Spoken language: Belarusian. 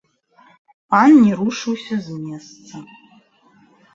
Пан не рушыўся з месца.